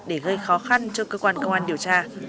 để gây khó khăn cho cơ quan công an điều tra